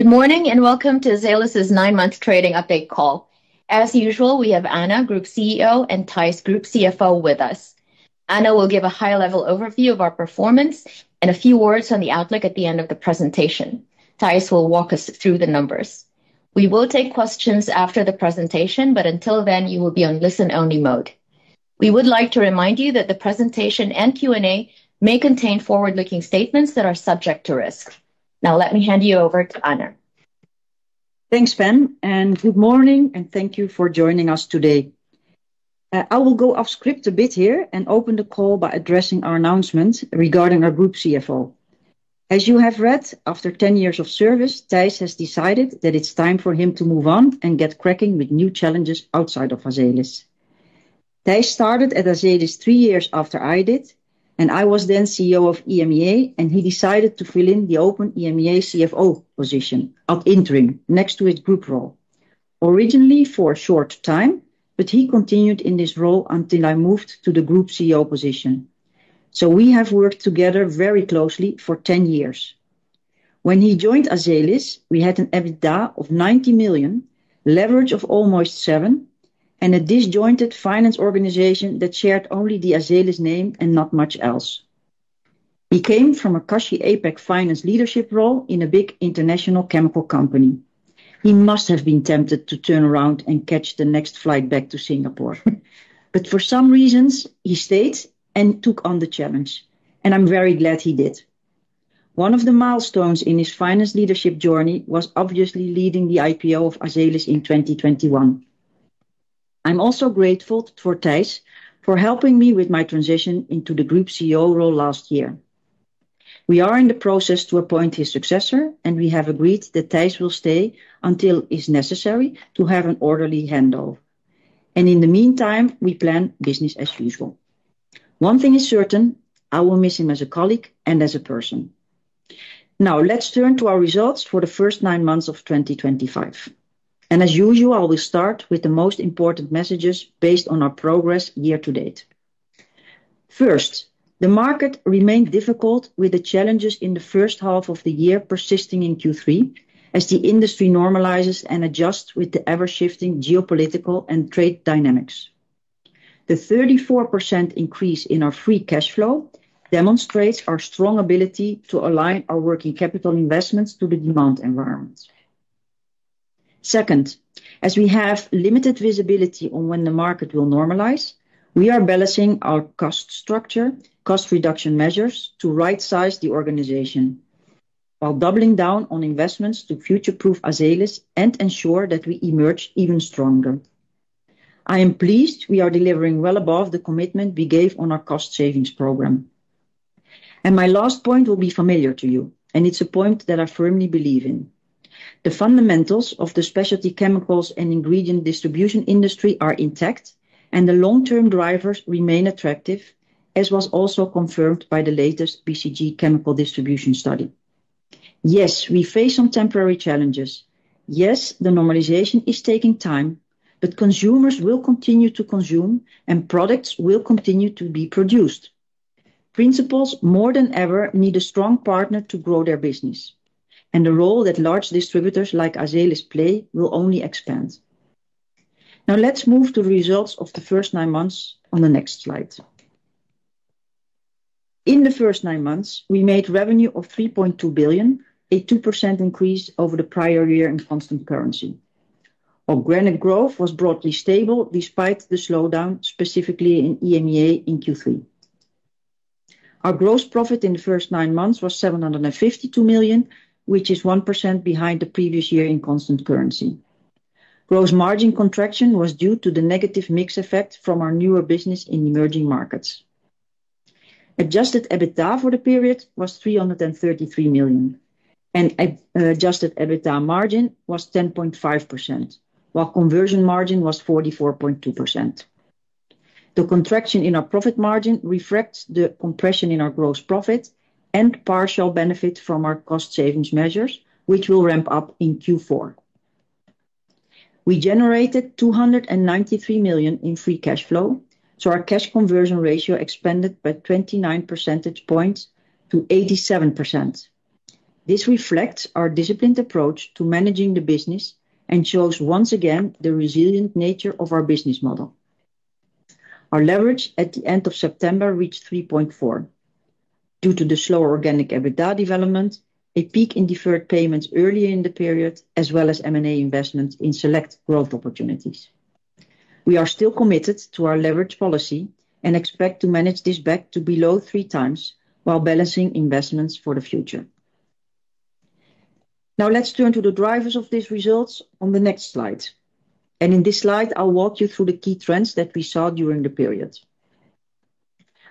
Good morning and welcome to Azelis's nine-month trading update call. As usual, we have Anna, Group CEO, and Thijs, Group CFO, with us. Anna will give a high-level overview of our performance and a few words on the outlook at the end of the presentation. Thijs will walk us through the numbers. We will take questions after the presentation, but until then, you will be on listen-only mode. We would like to remind you that the presentation and Q&A may contain forward-looking statements that are subject to risk. Now, let me hand you over to Anna. Thanks, Ben, and good morning, and thank you for joining us today. I will go off-script a bit here and open the call by addressing our announcement regarding our Group CFO. As you have read, after 10 years of service, Thijs has decided that it's time for him to move on and get cracking with new challenges outside of Azelis. Thijs started at Azelis three years after I did, and I was then CEO of EMEA, and he decided to fill in the open EMEA CFO position, up-entering, next to his group role. Originally for a short time, but he continued in this role until I moved to the Group CEO position. We have worked together very closely for 10 years. When he joined Azelis, we had an EBITDA of $90 million, leverage of almost seven, and a disjointed finance organization that shared only the Azelis name and not much else. He came from a cushy APAC finance leadership role in a big international chemical company. He must have been tempted to turn around and catch the next flight back to Singapore. For some reasons, he stayed and took on the challenge, and I'm very glad he did. One of the milestones in his finance leadership journey was obviously leading the IPO of Azelis in 2021. I'm also grateful for Thijs for helping me with my transition into the Group CEO role last year. We are in the process to appoint his successor, and we have agreed that Thijs will stay until it's necessary to have an orderly handover. In the meantime, we plan business as usual. One thing is certain, I will miss him as a colleague and as a person. Now, let's turn to our results for the first nine months of 2025. As usual, I will start with the most important messages based on our progress year-to-date. First, the market remained difficult with the challenges in the first half of the year persisting in Q3, as the industry normalizes and adjusts with the ever-shifting geopolitical and trade dynamics. The 34% increase in our free cash flow demonstrates our strong ability to align our working capital investments to the demand environment. Second, as we have limited visibility on when the market will normalize, we are balancing our cost structure, cost reduction measures to right-size the organization while doubling down on investments to future-proof Azelis and ensure that we emerge even stronger. I am pleased we are delivering well above the commitment we gave on our cost savings program. My last point will be familiar to you, and it's a point that I firmly believe in. The fundamentals of the specialty chemicals and ingredient distribution industry are intact, and the long-term drivers remain attractive, as was also confirmed by the latest BCG chemical distribution study. Yes, we face some temporary challenges. Yes, the normalization is taking time, but consumers will continue to consume, and products will continue to be produced. Principals more than ever need a strong partner to grow their business, and the role that large distributors like Azelis play will only expand. Now, let's move to the results of the first nine months on the next slide. In the first nine months, we made revenue of 3.2 billion, a 2% increase over the prior year in constant currency. Our organic growth was broadly stable despite the slowdown, specifically in EMEA in Q3. Our gross profit in the first nine months was 752 million, which is 1% behind the previous year in constant currency. Gross margin contraction was due to the negative mix effect from our newer business in emerging markets. Adjusted EBITDA for the period was 333 million, and adjusted EBITDA margin was 10.5%, while conversion margin was 44.2%. The contraction in our profit margin reflects the compression in our gross profit and partial benefit from our cost savings measures, which will ramp up in Q4. We generated 293 million in free cash flow, so our cash conversion ratio expanded by 29 percentage points to 87%. This reflects our disciplined approach to managing the business and shows once again the resilient nature of our business model. Our leverage at the end of September reached 3.4x due to the slower organic EBITDA development, a peak in deferred payments earlier in the period, as well as M&A investments in select growth opportunities. We are still committed to our leverage policy and expect to manage this back to below 3x while balancing investments for the future. Now, let's turn to the drivers of these results on the next slide. In this slide, I'll walk you through the key trends that we saw during the period.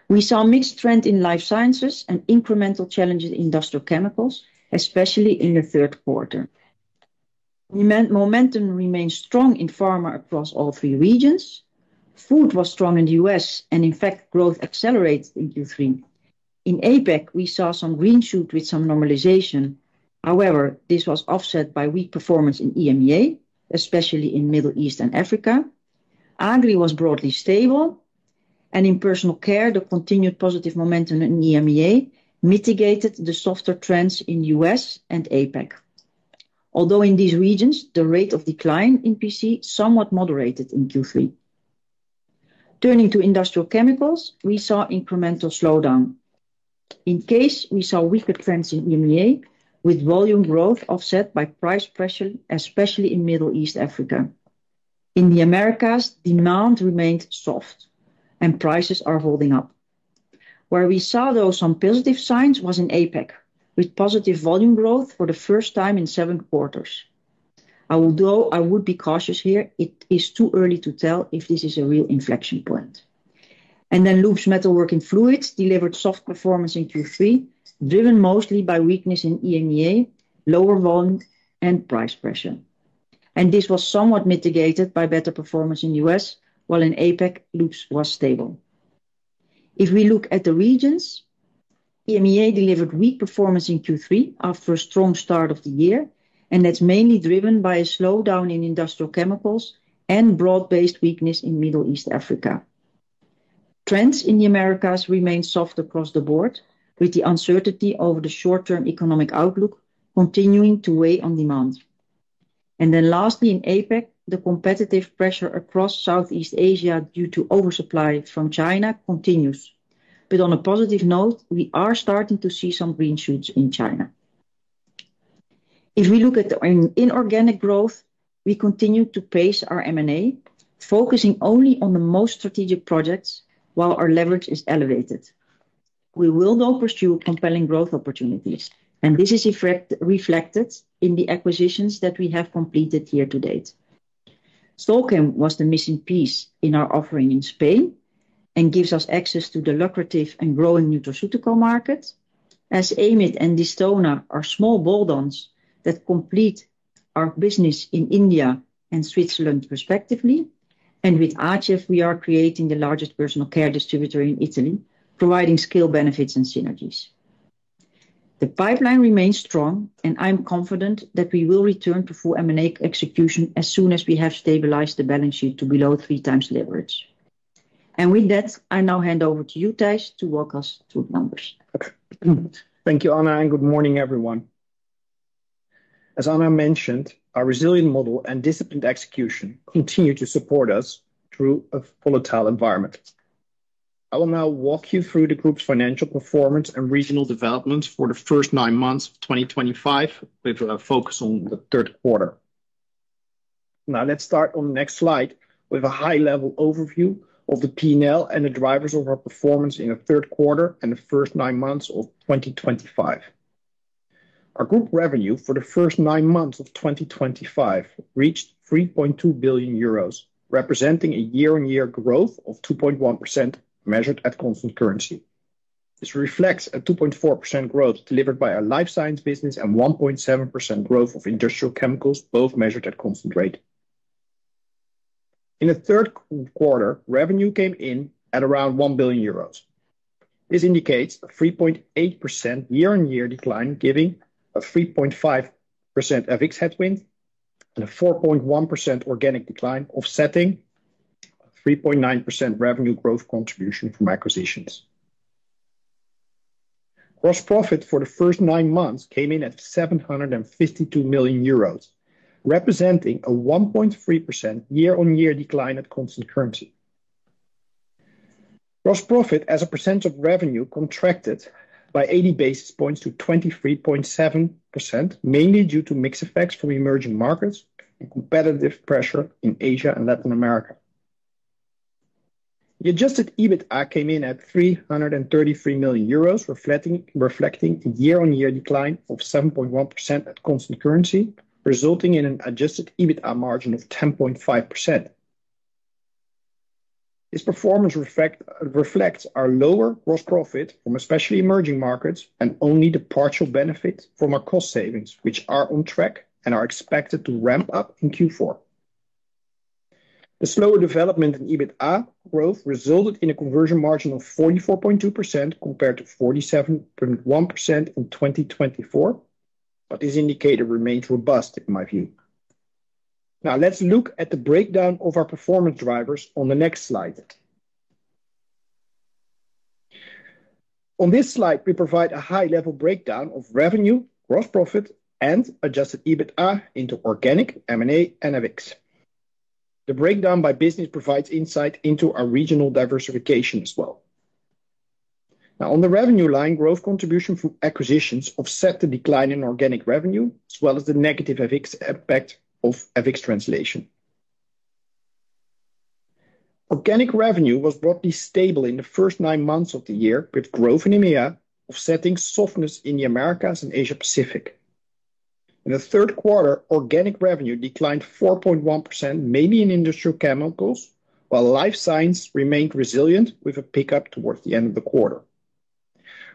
We saw a mixed trend in life sciences and incremental challenges in industrial chemicals, especially in the third quarter. Momentum remained strong in pharma across all three regions. Food was strong in the U.S., and in fact, growth accelerated in Q3. In APAC, we saw some green shoot with some normalization. However, this was offset by weak performance in EMEA, especially in the Middle East & Africa. Agri was broadly stable. In personal care, the continued positive momentum in EMEA mitigated the softer trends in the U.S. and APAC. Although in these regions, the rate of decline in PC somewhat moderated in Q3. Turning to industrial chemicals, we saw incremental slowdown. In this case, we saw weaker trends in EMEA with volume growth offset by price pressure, especially in the Middle East & Africa. In the Americas, demand remained soft, and prices are holding up. Where we saw some positive signs was in APAC, with positive volume growth for the first time in seven quarters. Although I would be cautious here, it is too early to tell if this is a real inflection point. Loose metal working fluids delivered soft performance in Q3, driven mostly by weakness in EMEA, lower volume, and price pressure. This was somewhat mitigated by better performance in the U.S., while in APAC, loose was stable. If we look at the regions, EMEA delivered weak performance in Q3 after a strong start of the year, and that's mainly driven by a slowdown in industrial chemicals and broad-based weakness in the Middle East & Africa. Trends in the Americas remain soft across the board, with the uncertainty over the short-term economic outlook continuing to weigh on demand. Lastly, in APAC, the competitive pressure across Southeast Asia due to oversupply from China continues. On a positive note, we are starting to see some green shoots in China. If we look at the inorganic growth, we continue to pace our M&A activity, focusing only on the most strategic projects while our leverage is elevated. We will pursue compelling growth opportunities, and this is reflected in the acquisitions that we have completed year to date. Solchem was the missing piece in our offering in Spain and gives us access to the lucrative and growing nutraceutical market, as Amit and Distona are small bolt-ons that complete our business in India and Switzerland respectively. With ACEF, we are creating the largest personal care distributor in Italy, providing scale benefits and synergies. The pipeline remains strong, and I'm confident that we will return to full M&A execution as soon as we have stabilized the balance sheet to below 3x leverage. With that, I now hand over to you, Thijs, to walk us through the numbers. Thank you, Anna, and good morning, everyone. As Anna mentioned, our resilient model and disciplined execution continue to support us through a volatile environment. I will now walk you through the group's financial performance and regional developments for the first nine months of 2025, with a focus on the third quarter. Now, let's start on the next slide with a high-level overview of the P&L and the drivers of our performance in the third quarter and the first nine months of 2025. Our group revenue for the first nine months of 2025 reached 3.2 billion euros, representing a year-on-year growth of 2.1% measured at constant currency. This reflects a 2.4% growth delivered by our life sciences business and 1.7% growth of industrial chemicals, both measured at constant rate. In the third quarter, revenue came in at around 1 billion euros. This indicates a 3.8% year-on-year decline, giving a 3.5% FX headwind and a 4.1% organic decline, offsetting a 3.9% revenue growth contribution from acquisitions. Gross profit for the first nine months came in at 752 million euros, representing a 1.3% year-on-year decline at constant currency. Gross profit as a percent of revenue contracted by 80 basis points to 23.7%, mainly due to mixed effects from emerging markets and competitive pressure in Asia and Latin America. The adjusted EBITDA came in at 333 million euros, reflecting a year-on-year decline of 7.1% at constant currency, resulting in an adjusted EBITDA margin of 10.5%. This performance reflects our lower gross profit from especially emerging markets and only the partial benefit from our cost savings, which are on track and are expected to ramp up in Q4. The slower development in EBITDA growth resulted in a conversion margin of 44.2% compared to 47.1% in 2024, but this indicator remains robust in my view. Now, let's look at the breakdown of our performance drivers on the next slide. On this slide, we provide a high-level breakdown of revenue, gross profit, and adjusted EBITDA into organic, M&A, and FX. The breakdown by business provides insight into our regional diversification as well. Now, on the revenue line, growth contribution from acquisitions offset the decline in organic revenue, as well as the negative FX impact of FX translation. Organic revenue was broadly stable in the first nine months of the year, with growth in EMEA offsetting softness in the Americas and Asia Pacific. In the third quarter, organic revenue declined 4.1%, mainly in industrial chemicals, while life sciences remained resilient with a pickup towards the end of the quarter.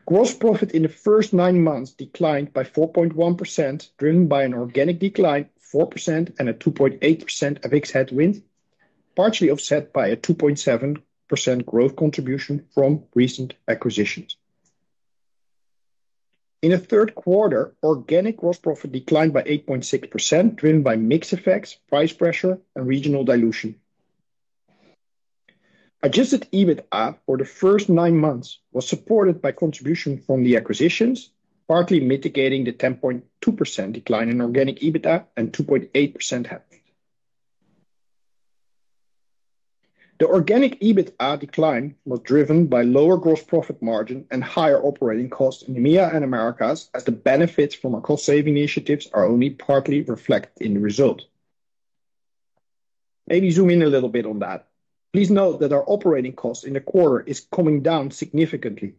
Gross profit in the first nine months declined by 4.1%, driven by an organic decline of 4% and a 2.8% FX headwind, partially offset by a 2.7% growth contribution from recent acquisitions. In the third quarter, organic gross profit declined by 8.6%, driven by mixed effects, price pressure, and regional dilution. Adjusted EBITDA for the first nine months was supported by contribution from the acquisitions, partly mitigating the 10.2% decline in organic EBITDA and 2.8% headwind. The organic EBITDA decline was driven by lower gross profit margin and higher operating costs in EMEA and Americas, as the benefits from our cost-saving initiatives are only partly reflected in the result. Maybe zoom in a little bit on that. Please note that our operating cost in the quarter is coming down significantly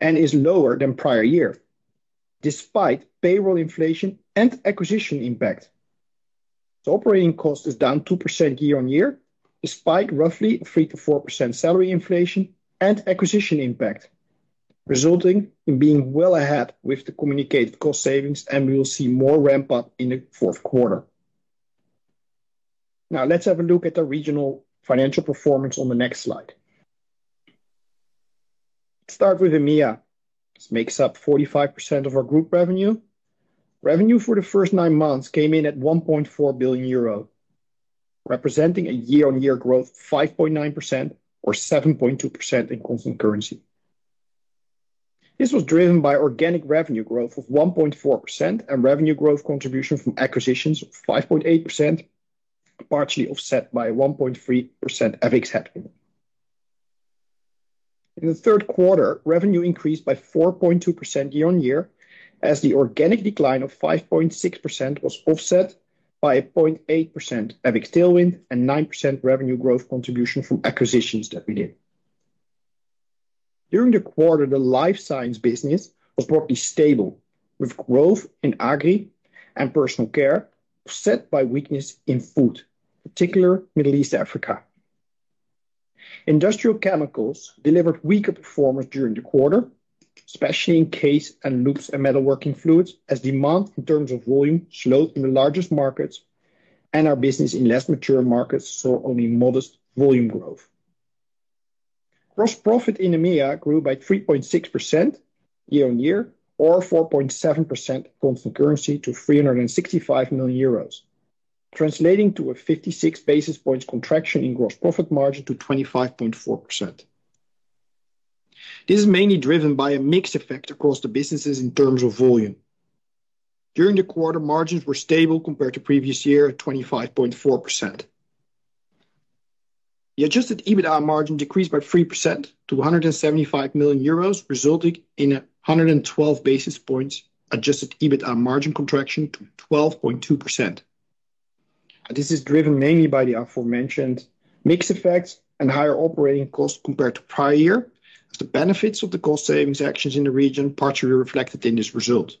and is lower than prior year, despite payroll inflation and acquisition impact. The operating cost is down 2% year-on-year, despite roughly 3%-4% salary inflation and acquisition impact, resulting in being well ahead with the communicated cost savings, and we will see more ramp-up in the fourth quarter. Now, let's have a look at the regional financial performance on the next slide. Let's start with EMEA. This makes up 45% of our group revenue. Revenue for the first nine months came in at 1.4 billion euro, representing a year-on-year growth of 5.9% or 7.2% in constant currency. This was driven by organic revenue growth of 1.4% and revenue growth contribution from acquisitions of 5.8%, partially offset by a 1.3% FX headwind. In the third quarter, revenue increased by 4.2% year-on-year, as the organic decline of 5.6% was offset by a 0.8% FX tailwind and 9% revenue growth contribution from acquisitions that we did. During the quarter, the life sciences business was broadly stable, with growth in agri and personal care offset by weakness in food, particularly Middle East Africa. Industrial chemicals delivered weaker performance during the quarter, especially in case and loose and metal working fluids, as demand in terms of volume slowed in the largest markets, and our business in less mature markets saw only modest volume growth. Gross profit in EMEA grew by 3.6% year-on-year or 4.7% constant currency to 365 million euros, translating to a 56 basis points contraction in gross profit margin to 25.4%. This is mainly driven by a mixed effect across the businesses in terms of volume. During the quarter, margins were stable compared to previous year at 25.4%. The adjusted EBITDA margin decreased by 3% to 175 million euros, resulting in a 112 basis points adjusted EBITDA margin contraction to 12.2%. This is driven mainly by the aforementioned mixed effects and higher operating costs compared to prior year, as the benefits of the cost savings actions in the region partially reflected in this result.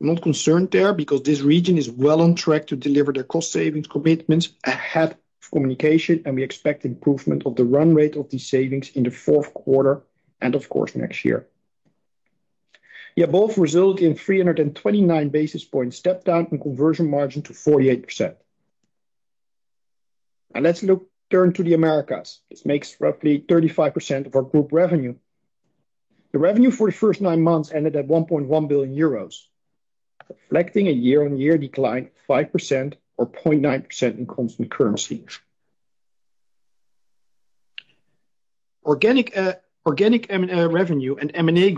I'm not concerned there because this region is well on track to deliver their cost savings commitments ahead of communication, and we expect improvement of the run rate of these savings in the fourth quarter and, of course, next year. Both resulted in 329 basis points step down and conversion margin to 48%. Now, let's turn to the Americas. This makes roughly 35% of our group revenue. The revenue for the first nine months ended at 1.1 billion euros, reflecting a year-on-year decline of 5% or 0.9% in constant currency. Organic revenue and M&A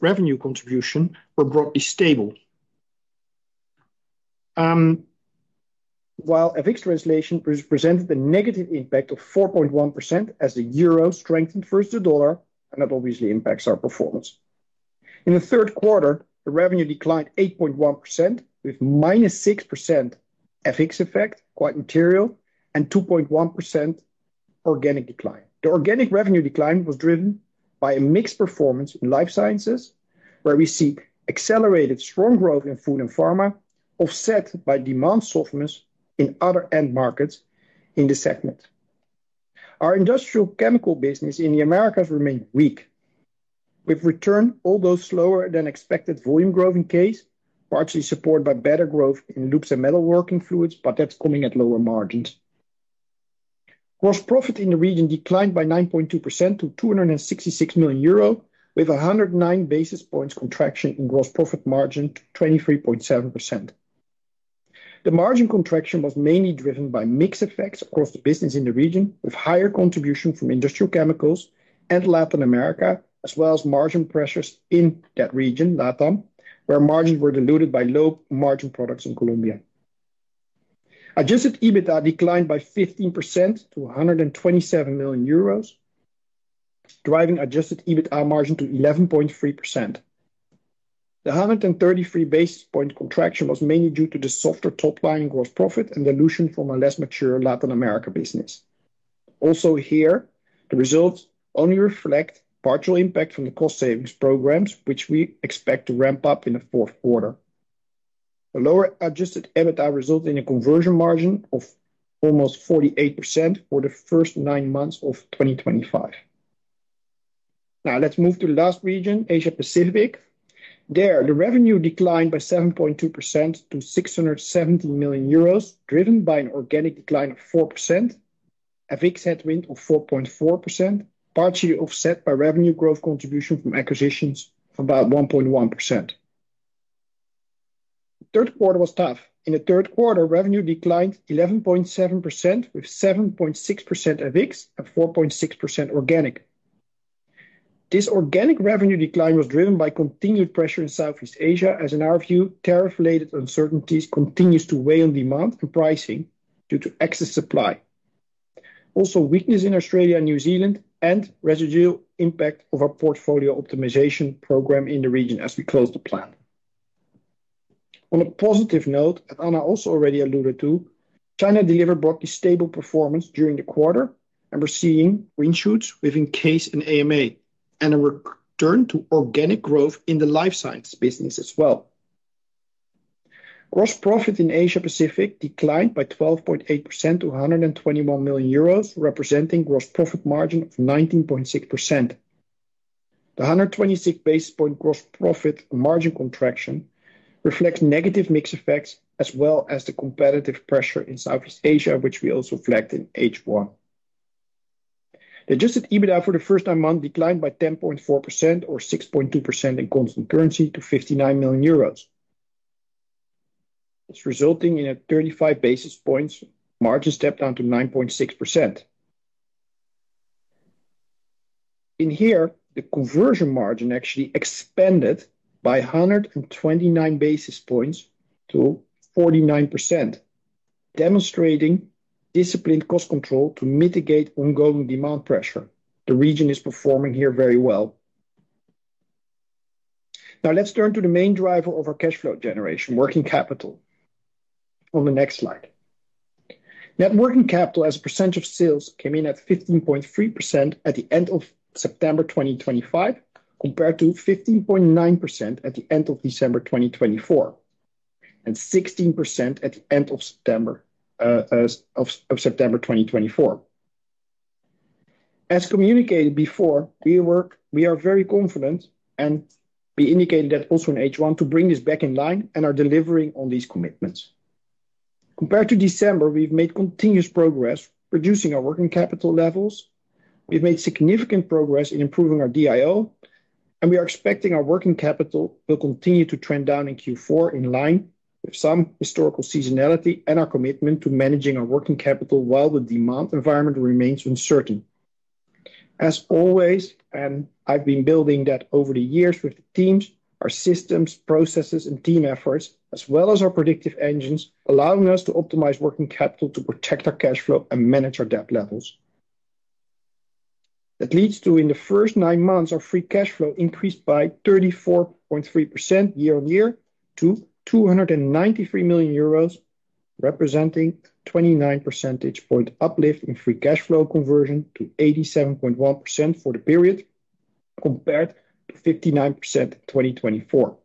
revenue contribution were broadly stable, while FX translation presented a negative impact of 4.1% as the euro strengthened versus the dollar, and that obviously impacts our performance. In the third quarter, the revenue declined 8.1% with -6% FX effect, quite material, and 2.1% organic decline. The organic revenue decline was driven by a mixed performance in life sciences, where we see accelerated strong growth in food and pharma, offset by demand softness in other end markets in the segment. Our industrial chemical business in the Americas remained weak, with returns although slower than expected volume growth in case, partially supported by better growth in loose and metal working fluids, but that's coming at lower margins. Gross profit in the region declined by 9.2% to 266 million euro, with 109 basis points contraction in gross profit margin to 23.7%. The margin contraction was mainly driven by mixed effects across the business in the region, with higher contribution from industrial chemicals and Latin America, as well as margin pressures in that region, Latam, where margins were diluted by low margin products in Colombia. Adjusted EBITDA declined by 15% to 127 million euros, driving adjusted EBITDA margin to 11.3%. The 133 basis point contraction was mainly due to the softer top line in gross profit and dilution from a less mature Latin America business. Also here, the results only reflect partial impact from the cost savings programs, which we expect to ramp up in the fourth quarter. The lower adjusted EBITDA resulted in a conversion margin of almost 48% for the first nine months of 2025. Now, let's move to the last region, Asia Pacific. There, the revenue declined by 7.2% to 670 million euros, driven by an organic decline of 4%, FX headwind of 4.4%, partially offset by revenue growth contribution from acquisitions of about 1.1%. The third quarter was tough. In the third quarter, revenue declined 11.7% with 7.6% FX and 4.6% organic. This organic revenue decline was driven by continued pressure in Southeast Asia, as in our view, tariff-related uncertainties continue to weigh on demand and pricing due to excess supply. Also, weakness in Australia and New Zealand and residual impact of our portfolio optimization program in the region as we close the plan. On a positive note, as Anna also already alluded to, China delivered broadly stable performance during the quarter, and we're seeing green shoots within case and AMA, and a return to organic growth in the life sciences business as well. Gross profit in Asia Pacific declined by 12.8% to 121 million euros, representing a gross profit margin of 19.6%. The 126 basis point gross profit margin contraction reflects negative mixed effects, as well as the competitive pressure in Southeast Asia, which we also flagged in H1. The adjusted EBITDA for the first nine months declined by 10.4% or 6.2% in constant currency to 59 million euros. This resulted in a 35 basis points margin step down to 9.6%. In here, the conversion margin actually expanded by 129 basis points to 49%, demonstrating disciplined cost control to mitigate ongoing demand pressure. The region is performing here very well. Now, let's turn to the main driver of our cash flow generation, working capital. On the next slide, net working capital as a percent of sales came in at 15.3% at the end of September 2025, compared to 15.9% at the end of December 2024, and 16% at the end of September 2024. As communicated before, we are very confident, and we indicated that also in H1, to bring this back in line and are delivering on these commitments. Compared to December, we've made continuous progress reducing our working capital levels. We've made significant progress in improving our DIO, and we are expecting our working capital will continue to trend down in Q4 in line with some historical seasonality and our commitment to managing our working capital while the demand environment remains uncertain. As always, and I've been building that over the years with the teams, our systems, processes, and team efforts, as well as our predictive engines, allowing us to optimize working capital to protect our cash flow and manage our debt levels. That leads to, in the first nine months, our free cash flow increased by 34.3% year-on-year to EUR 293 million, representing a 29% uplift in free cash flow conversion to 87.1% for the period compared to 59% in 2024.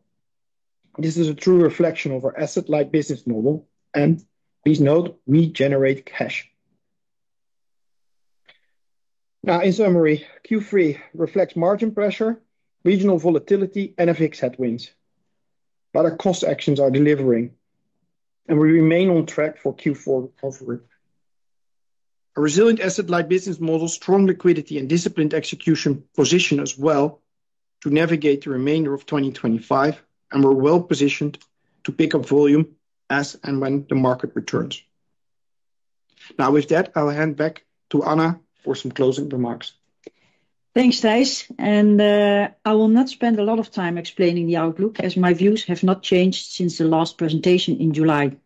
This is a true reflection of our asset-light business model, and please note, we generate cash. In summary, Q3 reflects margin pressure, regional volatility, and FX headwinds, but our cost actions are delivering, and we remain on track for Q4 recovery. A resilient asset-light business model, strong liquidity, and disciplined execution position us well to navigate the remainder of 2025, and we're well positioned to pick up volume as and when the market returns. With that, I'll hand back to Anna for some closing remarks. Thanks, Thijs, and I will not spend a lot of time explaining the outlook as my views have not changed since the last presentation in July.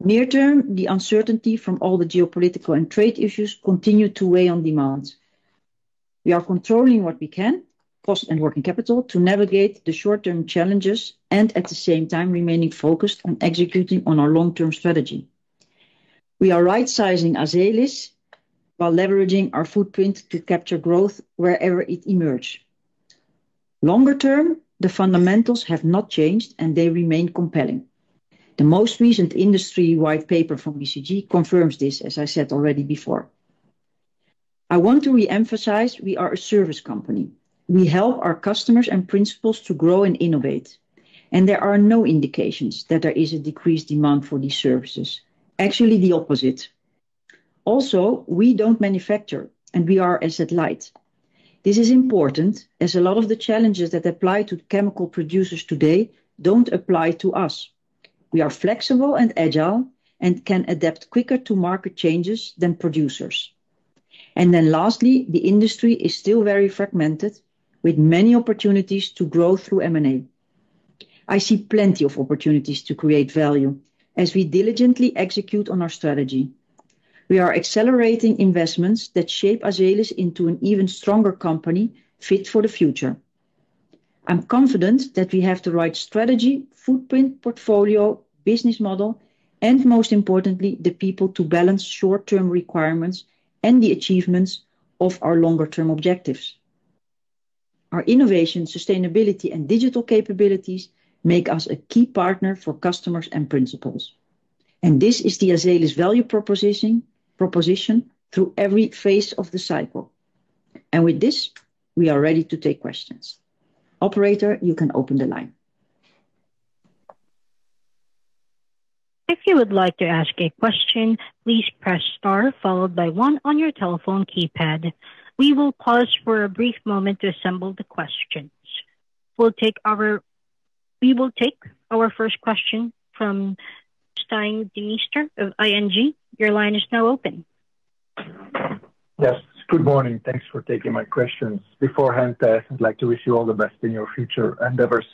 Near-term, the uncertainty from all the geopolitical and trade issues continues to weigh on demand. We are controlling what we can, cost and working capital, to navigate the short-term challenges and at the same time remaining focused on executing on our long-term strategy. We are right-sizing Azelis while leveraging our footprint to capture growth wherever it emerges. Longer-term, the fundamentals have not changed and they remain compelling. The most recent industry-wide paper from BCG confirms this, as I said already before. I want to reemphasize we are a service company. We help our customers and principals to grow and innovate, and there are no indications that there is a decreased demand for these services. Actually, the opposite. Also, we don't manufacture and we are asset light. This is important as a lot of the challenges that apply to chemical producers today don't apply to us. We are flexible and agile and can adapt quicker to market changes than producers. Lastly, the industry is still very fragmented with many opportunities to grow through M&A. I see plenty of opportunities to create value as we diligently execute on our strategy. We are accelerating investments that shape Azelis into an even stronger company fit for the future. I'm confident that we have the right strategy, footprint, portfolio, business model, and most importantly, the people to balance short-term requirements and the achievements of our longer-term objectives. Our innovation, sustainability, and digital capabilities make us a key partner for customers and principals. This is the Azelis value proposition through every phase of the cycle. With this, we are ready to take questions. Operator, you can open the line. If you would like to ask a question, please press star followed by one on your telephone keypad. We will pause for a brief moment to assemble the questions. We will take our first question from Stein Dienster of ING. Your line is now open. Yes, good morning. Thanks for taking my questions. Beforehand, I'd like to wish you all the best in your future endeavors.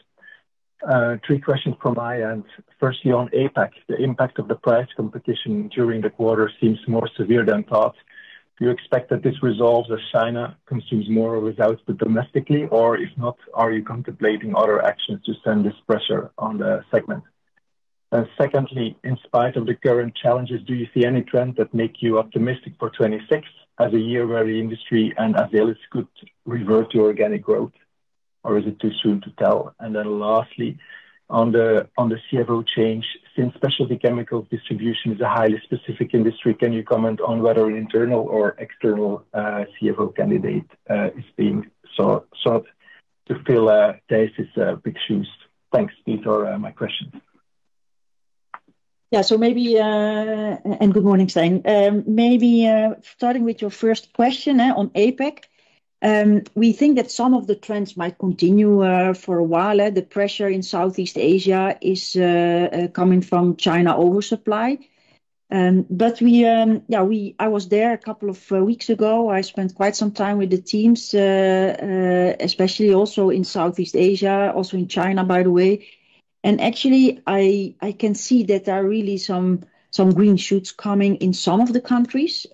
Three questions from my end. Firstly, on APAC, the impact of the price competition during the quarter seems more severe than thought. Do you expect that this resolves as China consumes more or without domestically, or if not, are you contemplating other actions to send this pressure on the segment? Secondly, in spite of the current challenges, do you see any trend that makes you optimistic for 2026 as a year where the industry and Azelis could revert to organic growth, or is it too soon to tell? Lastly, on the CFO change, since specialty chemicals distribution is a highly specific industry, can you comment on whether an internal or external CFO candidate is being sought to fill Thijs's big shoes? Thanks. These are my questions. Yeah, so maybe, and good morning, Stein. Maybe starting with your first question on APAC, we think that some of the trends might continue for a while. The pressure in Southeast Asia is coming from China oversupply. I was there a couple of weeks ago. I spent quite some time with the teams, especially also in Southeast Asia, also in China, by the way. Actually, I can see that there are really some green shoots coming in some of the countries,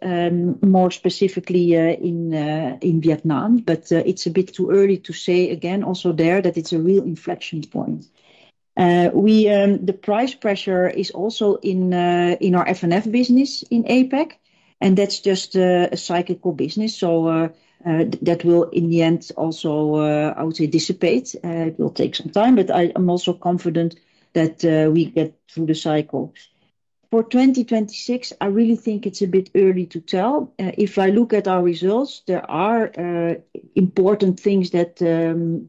more specifically in Vietnam. It's a bit too early to say again also there that it's a real inflection point. The price pressure is also in our F&F business in APEC, and that's just a cyclical business. That will, in the end, also, I would say, dissipate. It will take some time, but I'm also confident that we get through the cycle. For 2026, I really think it's a bit early to tell. If I look at our results, there are important things that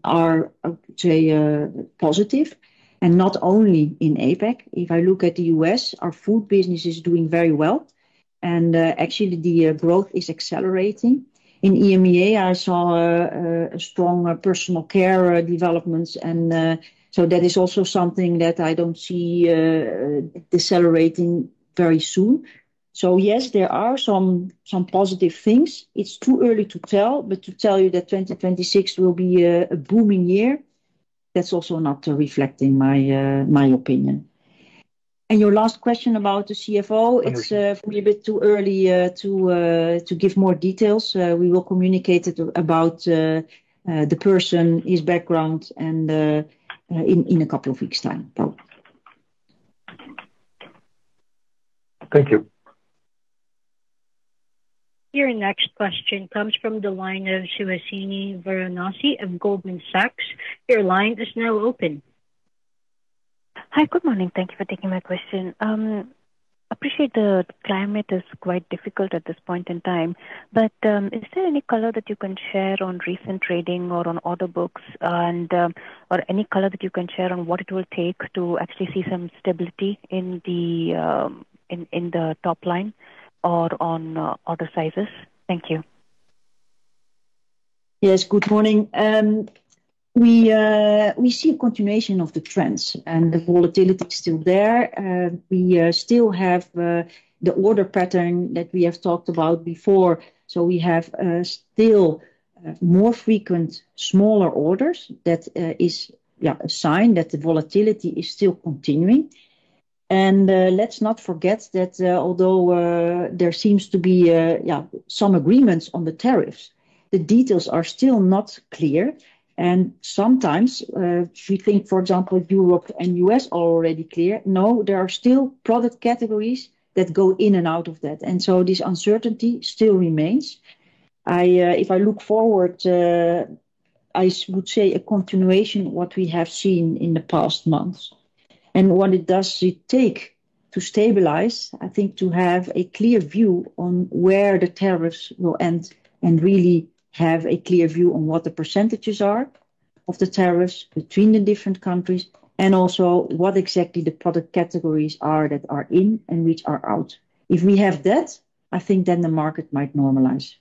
are, I would say, positive, and not only in APAC. If I look at the U.S., our food business is doing very well, and actually, the growth is accelerating. In EMEA, I saw a strong personal care development, and that is also something that I don't see decelerating very soon. Yes, there are some positive things. It's too early to tell, but to tell you that 2026 will be a booming year, that's also not reflecting my opinion. Your last question about the CFO, it's for me a bit too early to give more details. We will communicate about the person, his background, in a couple of weeks' time. Thank you. Your next question comes from the line of Suasini Varanasi of Goldman Sachs. Your line is now open. Hi, good morning. Thank you for taking my question. I appreciate the climate is quite difficult at this point in time, but is there any color that you can share on recent trading or on order books, or any color that you can share on what it will take to actually see some stability in the top line or on order sizes? Thank you. Yes, good morning. We see a continuation of the trends, and the volatility is still there. We still have the order pattern that we have talked about before. We still have more frequent, smaller orders. That is a sign that the volatility is still continuing. Let's not forget that although there seems to be some agreements on the tariffs, the details are still not clear. Sometimes we think, for example, Europe and U.S. are already clear. No, there are still product categories that go in and out of that. This uncertainty still remains. If I look forward, I would say a continuation of what we have seen in the past months. What does it take to stabilize I think to have a clear view on where the tariffs will end and really have a clear view on what the percentages are of the tariffs between the different countries and also what exactly the product categories are that are in and which are out. If we have that, I think then the market might normalize.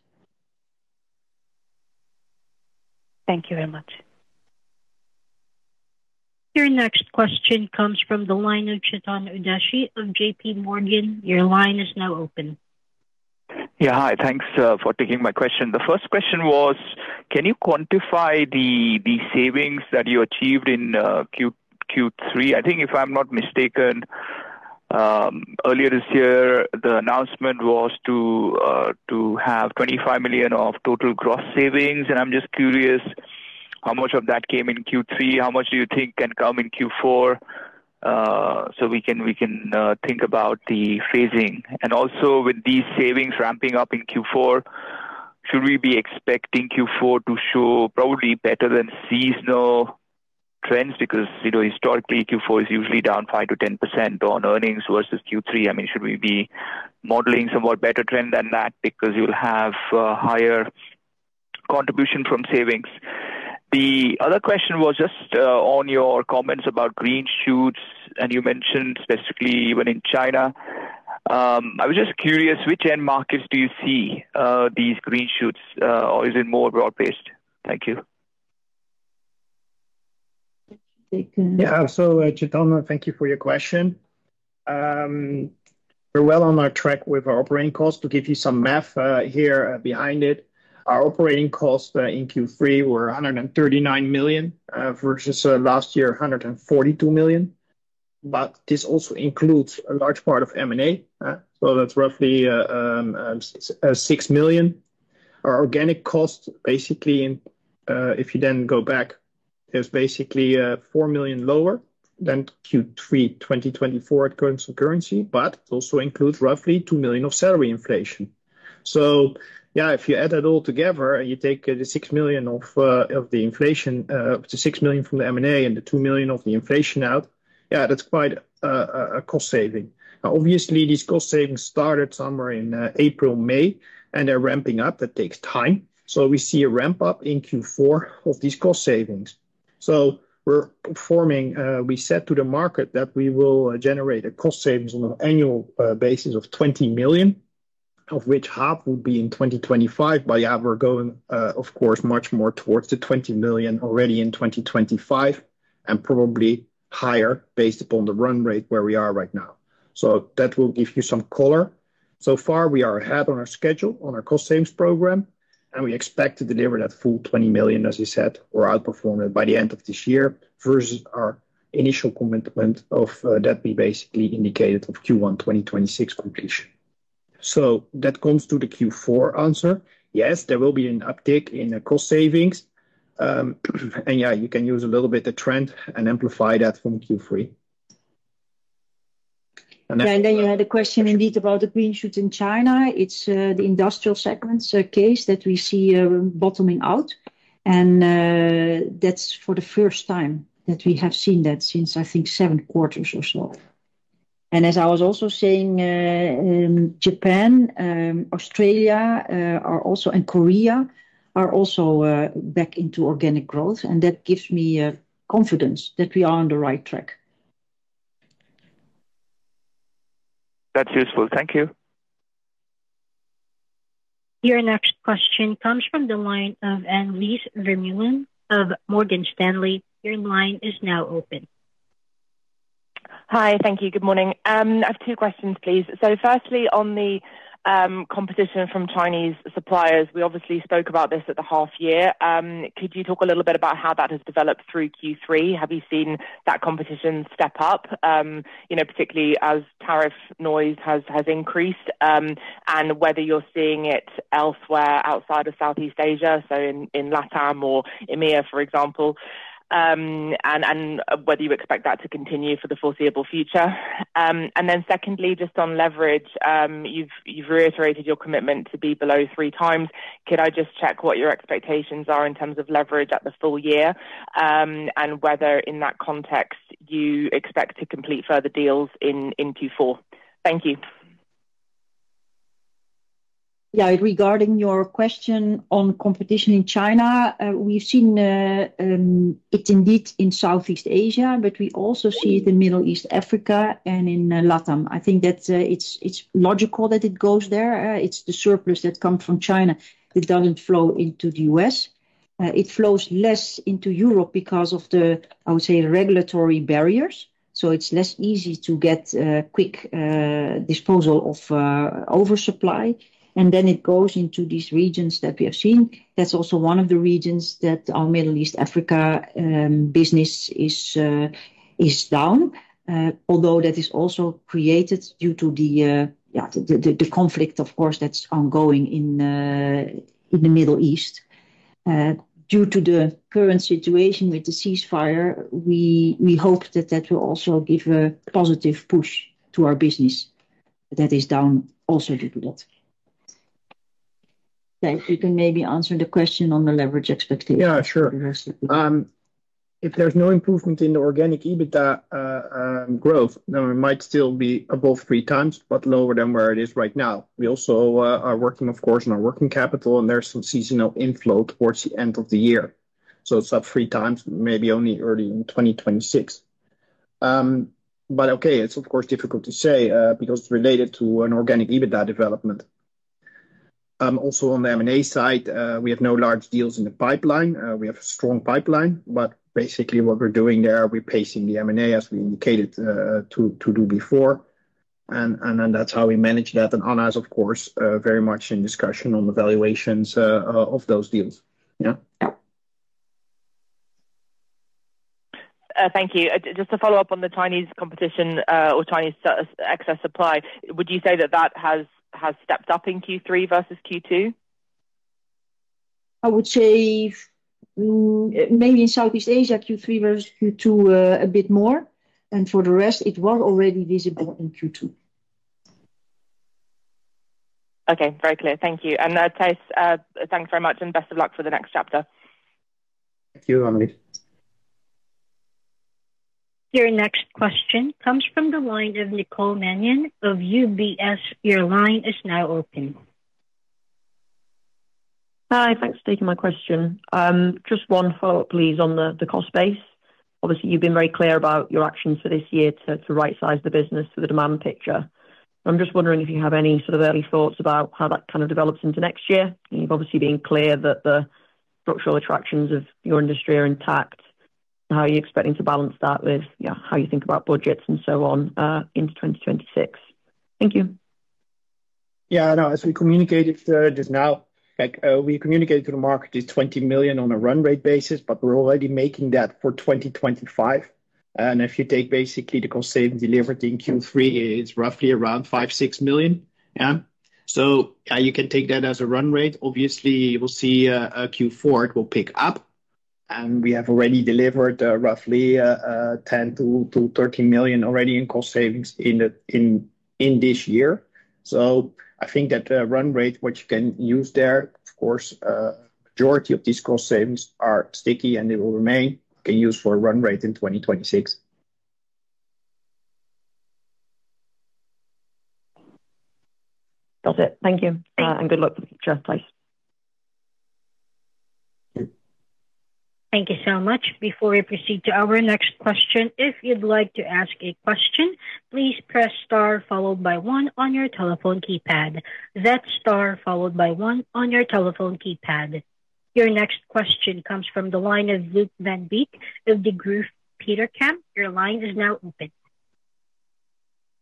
Thank you very much. Your next question comes from the line of Chetan Udashi of JPMorgan. Your line is now open. Yeah, hi. Thanks for taking my question. The first question was, can you quantify the savings that you achieved in Q3? I think if I'm not mistaken, earlier this year, the announcement was to have $25 million of total gross savings. I'm just curious how much of that came in Q3, how much do you think can come in Q4 so we can think about the phasing? Also, with these savings ramping up in Q4, should we be expecting Q4 to show probably better than seasonal trends? Because you know historically, Q4 is usually down 5%-10% on earnings versus Q3. I mean, should we be modeling somewhat better trends than that because you'll have a higher contribution from savings? The other question was just on your comments about green shoots, and you mentioned specifically even in China. I was just curious, which end markets do you see these green shoots, or is it more broad-based? Thank you. Yeah, so Chetan, thank you for your question. We're well on our track with our operating costs. To give you some math here behind it, our operating costs in Q3 were $139 million versus last year $142 million. This also includes a large part of M&A, so that's roughly $6 million. Our organic costs, basically, if you then go back, are basically $4 million lower than Q3 2024 at current constant currency. It also includes roughly $2 million of salary inflation. If you add that all together and you take the $6 million from the M&A and the $2 million of the inflation out, that's quite a cost saving. Obviously, these cost savings started somewhere in April, May, and they're ramping up. That takes time. We see a ramp-up in Q4 of these cost savings. We're forming, we said to the market that we will generate a cost savings on an annual basis of $20 million, of which half would be in 2025. We're going, of course, much more towards the $20 million already in 2025 and probably higher based upon the run rate where we are right now. That will give you some color. So far, we are ahead on our schedule on our cost savings program, and we expect to deliver that full $20 million, as I said, or outperform it by the end of this year versus our initial commitment that we basically indicated of Q1 2026 completion. That comes to the Q4 answer. Yes, there will be an uptick in cost savings. You can use a little bit of trend and amplify that from Q3. You had a question indeed about the green shoot in China. It's the industrial segments case that we see bottoming out. That is for the first time that we have seen that since, I think, seven quarters or so. As I was also saying, Japan, Australia, and Korea are also back into organic growth. That gives me confidence that we are on the right track. That's useful. Thank you. Your next question comes from the line of Annelies Vermeulen of Morgan Stanley. Your line is now open. Hi, thank you. Good morning. I have two questions, please. Firstly, on the competition from Chinese suppliers, we obviously spoke about this at the half year. Could you talk a little bit about how that has developed through Q3? Have you seen that competition step up, particularly as tariff noise has increased, and whether you're seeing it elsewhere outside of Southeast Asia, in LATAM or EMEA, for example, and whether you expect that to continue for the foreseeable future? Secondly, just on leverage, you've reiterated your commitment to be below 3x. Could I just check what your expectations are in terms of leverage at the full year and whether in that context you expect to complete further deals in Q4? Thank you. Yeah, regarding your question on competition in China, we've seen it indeed in Southeast Asia, but we also see it in Middle East, Africa, and in LATAM. I think that it's logical that it goes there. It's the surplus that comes from China that doesn't flow into the U.S. It flows less into Europe because of the, I would say, the regulatory barriers. It's less easy to get a quick disposal of oversupply, and it goes into these regions that we have seen. That's also one of the reasons that our Middle East, Africa business is down, although that is also created due to the conflict, of course, that's ongoing in the Middle East. Due to the current situation with the ceasefire, we hope that will also give a positive push to our business. That is down also due to that. Thijs, maybe you can maybe answer the question on the leverage expectation. Yeah, sure. If there's no improvement in the organic EBITDA growth, then it might still be above 3x, but lower than where it is right now. We also are working, of course, on our working capital, and there's some seasonal inflow towards the end of the year. It's up 3x, maybe only early in 2026. It's, of course, difficult to say because it's related to an organic EBITDA development. Also, on the M&A side, we have no large deals in the pipeline. We have a strong pipeline, but basically what we're doing there, we're pacing the M&A, as we indicated to do before. That's how we manage that. Annelies, of course, very much in discussion on the valuations of those deals. Yeah. Thank you. Just to follow up on the Chinese competition or Chinese excess supply, would you say that that has stepped up in Q3 versus Q2? I would say maybe in Southeast Asia, Q3 versus Q2 a bit more. For the rest, it was already visible in Q2. Okay, very clear. Thank you. Thijs, thanks very much, and best of luck for the next chapter. Thank you, Annelies. Your next question comes from the line of Nicole Manion of UBS. Your line is now open. Hi, thanks for taking my question. Just one follow-up, please, on the cost base. Obviously, you've been very clear about your actions for this year to right-size the business for the demand picture. I'm just wondering if you have any sort of early thoughts about how that kind of develops into next year. You've obviously been clear that the structural attractions of your industry are intact. How are you expecting to balance that with how you think about budgets and so on into 2026? Thank you. Yeah, no, as we communicated just now, like we communicated to the market, it is $20 million on a run rate basis, but we're already making that for 2025. If you take basically the cost-saving delivered in Q3, it's roughly around $5 million, $6 million. Yeah, you can take that as a run rate. Obviously, we'll see Q4, it will pick up. We have already delivered roughly $10 million-$13 million already in cost savings in this year. I think that the run rate, what you can use there, of course, a majority of these cost savings are sticky and they will remain, you can use for a run rate in 2026. Got it. Thank you, and good luck for the future, Thijs. Thank you so much. Before we proceed to our next question, if you'd like to ask a question, please press star followed by one on your telephone keypad. That's star followed by one on your telephone keypad. Your next question comes from the line of Luke Van Beek of the Degroof Petercam. Your line is now open.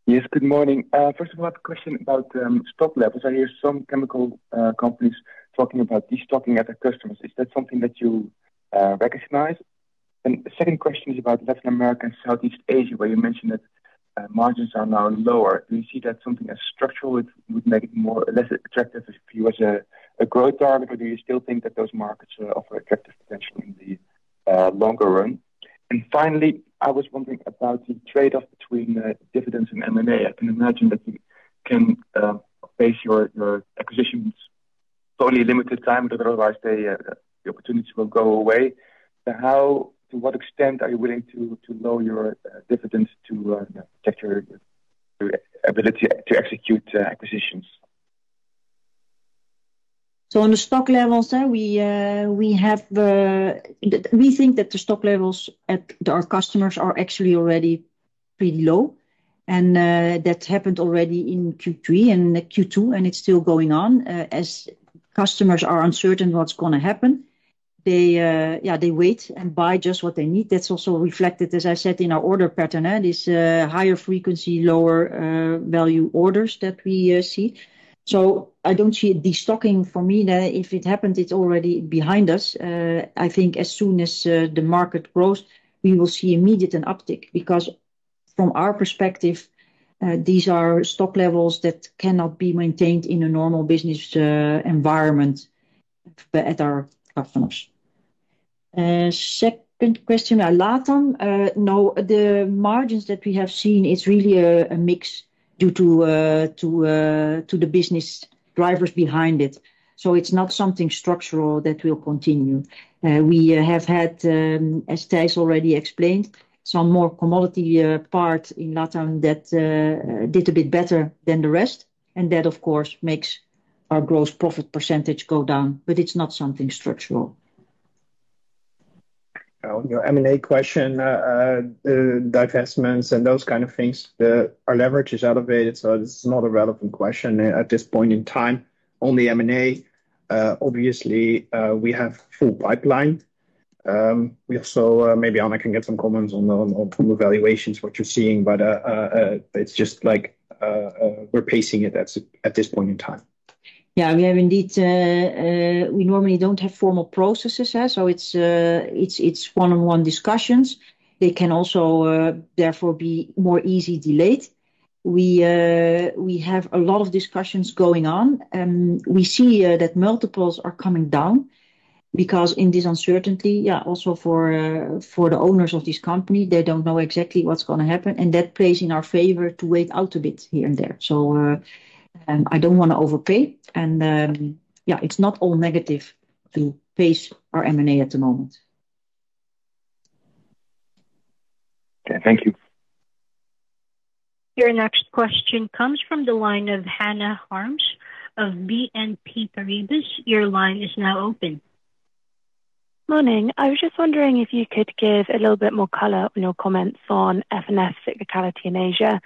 Yes, good morning. First of all, I have a question about stock levels. I hear some chemical companies talking about destocking at their customers. Is that something that you recognize? The second question is about Latin America and Southeast Asia, where you mentioned that margins are now lower. Do you see that as something structural that would make it more or less attractive for you as a growth target, or do you still think that those markets offer attractive potential in the longer run? Finally, I was wondering about the trade-off between dividends and M&A. I can imagine that you can base your acquisitions on a totally limited time, otherwise the opportunities will go away. To what extent are you willing to lower your dividends to protect your ability to execute acquisitions? On the stock levels, we think that the stock levels at our customers are actually already pretty low. That's happened already in Q3 and Q2, and it's still going on. As customers are uncertain what's going to happen, they wait and buy just what they need. That's also reflected, as I said, in our order pattern, these higher frequency, lower value orders that we see. I don't see it as destocking for me. If it happened, it's already behind us. I think as soon as the market grows, we will see immediate an uptick because from our perspective, these are stock levels that cannot be maintained in a normal business environment at our customers. Second question, LATAM. No, the margins that we have seen, it's really a mix due to the business drivers behind it. It's not something structural that will continue. We have had, as Thijs already explained, some more commodity parts in LATAM that did a bit better than the rest. That, of course, makes our gross profit percentage go down, but it's not something structural. Oh, your M&A question, divestments and those kind of things, our leverage is elevated, so it's not a relevant question at this point in time. Only M&A. Obviously, we have a full pipeline. Maybe Anna can get some comments on the valuations, what you're seeing, but it's just like we're pacing it at this point in time. Yeah, we have indeed. We normally don't have formal processes, so it's one-on-one discussions. They can also therefore be more easily delayed. We have a lot of discussions going on. We see that multiples are coming down because in this uncertainty, also for the owners of this company, they don't know exactly what's going to happen. That plays in our favor to wait out a bit here and there. I don't want to overpay. It's not all negative to pace our M&A at the moment. Okay, thank you. Your next question comes from the line of Hannah Harms of BNP Paribas. Your line is now open. Morning. I was just wondering if you could give a little bit more color on your comments on F&F's cyclicality in Asia.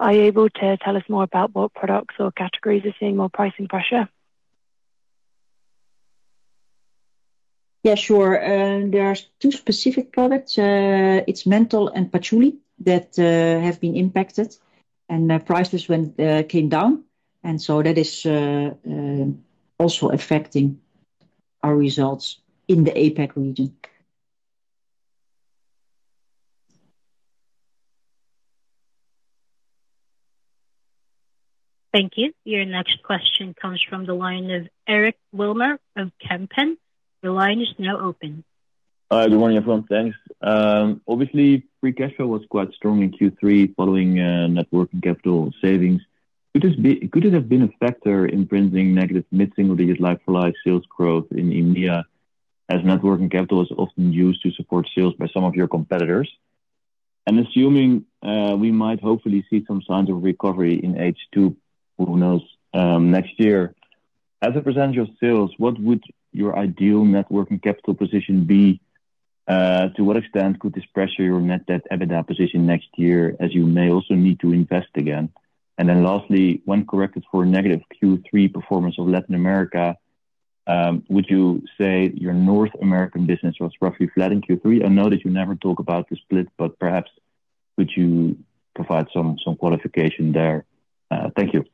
Are you able to tell us more about what products or categories are seeing more pricing pressure? Yeah, sure. There are two specific products. It's menthol and patchouli that have been impacted, and prices came down. That is also affecting our results in the APAC region. Thank you. Your next question comes from the line of Eric Wilmer of Kempen. Your line is now open. Good morning everyone. Thanks. Obviously, free cash flow was quite strong in Q3 following net working capital savings. Could this have been a factor in printing negative mid-single-digit like-for-like sales growth in EMEA, as net working capital is often used to support sales by some of your competitors? Assuming we might hopefully see some signs of recovery in H2, who knows, next year, as a percentage of sales, what would your ideal net working capital position be? To what extent could this pressure your net debt/EBITDA position next year as you may also need to invest again? Lastly, when corrected for a negative Q3 performance of Latin America, would you say your North American business was roughly flat in Q3? I know that you never talk about the split, but perhaps could you provide some qualification there? Thank you.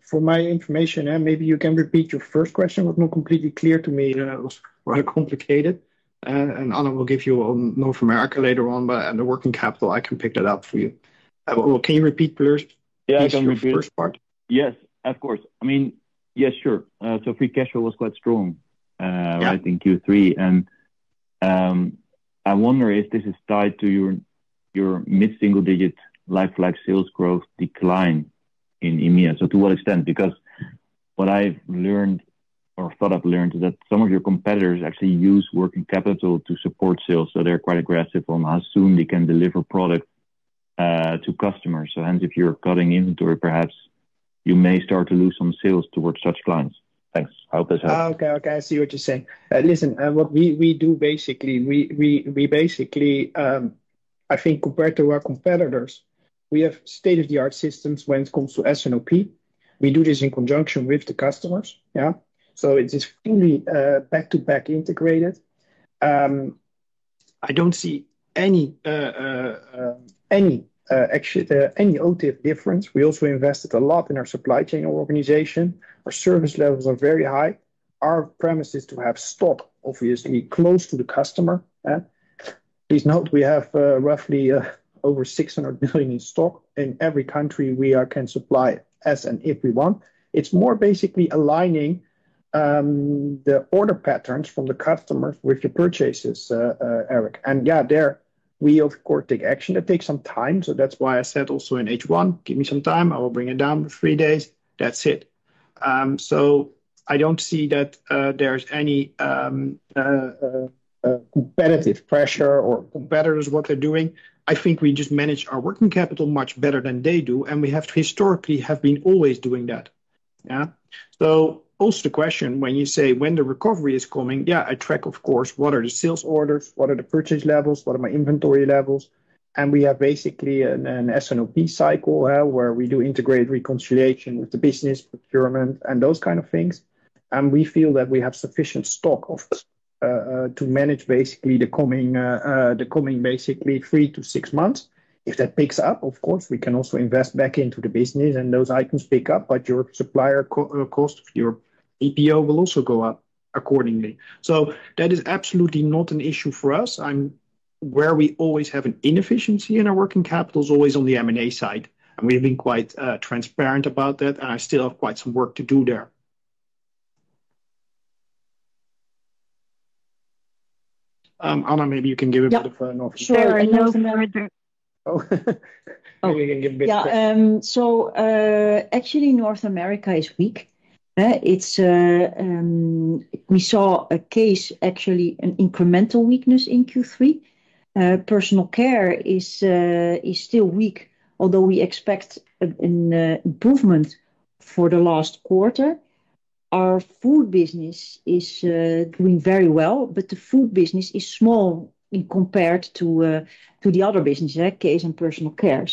For my information, maybe you can repeat your first question. It was not completely clear to me. It was rather complicated. Anna will give you on North America later on, but under working capital, I can pick that up for you. Can you repeat, please, the first part? Yes, of course. Yes, sure. Free cash flow was quite strong in Q3, and I wonder if this is tied to your mid-single-digit like-for-like sales growth decline in EMEA. To what extent? What I've learned or thought I've learned is that some of your competitors actually use working capital to support sales. They're quite aggressive on how soon they can deliver products to customers. Hence, if you're cutting inventory, perhaps you may start to lose some sales towards such clients. Thanks. I hope this helps. Okay, I see what you're saying. Listen, what we do basically, I think, compared to our competitors, we have state-of-the-art systems when it comes to SNOP. We do this in conjunction with the customers. It's extremely back-to-back integrated. I don't see any action or any difference. We also invested a lot in our supply chain organization. Our service levels are very high. Our premise is to have stock, obviously, close to the customer. Please note, we have roughly over $600 million in stock in every country we can supply as and if we want. It's more basically aligning the order patterns from the customers with your purchases, Eric. There, we, of course, take action. That takes some time. That's why I said also in H1, give me some time. I will bring it down to three days. That's it. I don't see that there's any competitive pressure or competitors, what they're doing. I think we just manage our working capital much better than they do, and we have historically been always doing that. Also, the question, when you say when the recovery is coming, I track, of course, what are the sales orders, what are the purchase levels, what are my inventory levels. We have basically an SNOP cycle where we do integrate reconciliation with the business, procurement, and those kind of things. We feel that we have sufficient stock to manage basically the coming three to six months. If that picks up, of course, we can also invest back into the business and those items pick up, but your supplier cost of your EPO will also go up accordingly. That is absolutely not an issue for us. Where we always have an inefficiency in our working capital is always on the M&A side. We've been quite transparent about that. I still have quite some work to do there. Anna, maybe you can give a bit of an offer. Sure, in North America. You can give a bit of. Yeah. Actually, North America is weak. We saw, actually, an incremental weakness in Q3. Personal care is still weak, although we expect an improvement for the last quarter. Our food business is doing very well, but the food business is small compared to the other businesses, case and personal care.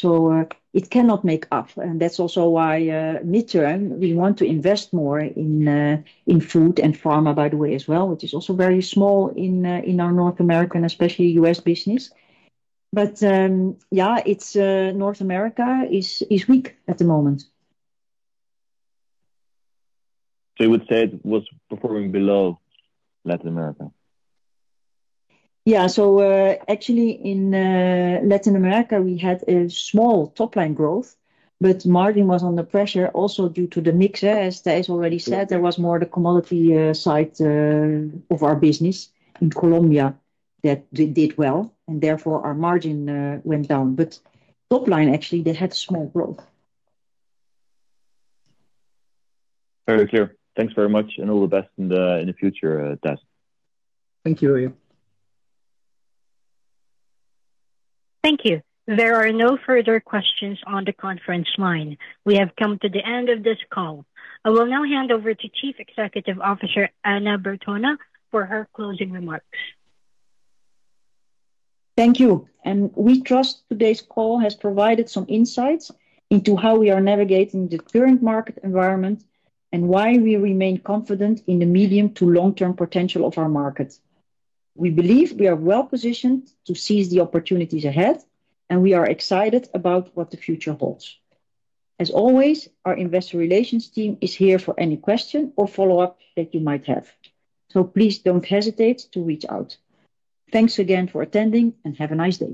It cannot make up. That's also why midterm, we want to invest more in food and pharma, by the way, as well, which is also very small in our North America, and especially U.S. business. Yeah, North America is weak at the moment. You would say it was performing below Latin America? Yeah. Actually, in Latin America, we had a small top-line growth, but margin was under pressure also due to the mix. As Thijs already said, there was more the commodity side of our business in Colombia that did well, and therefore, our margin went down. Top-line, actually, they had a small growth. Very clear. Thanks very much, and all the best in the future, Thijs. Thank you, William. Thank you. There are no further questions on the conference line. We have come to the end of this call. I will now hand over to Chief Executive Officer Anna Bertona for her closing remarks. Thank you. We trust today's call has provided some insights into how we are navigating the current market environment and why we remain confident in the medium to long-term potential of our market. We believe we are well positioned to seize the opportunities ahead, and we are excited about what the future holds. As always, our Investor Relations team is here for any question or follow-up that you might have. Please don't hesitate to reach out. Thanks again for attending, and have a nice day.